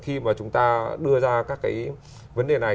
khi mà chúng ta đưa ra các cái vấn đề này